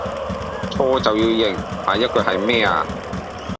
錯就要認，下一句系咩啊?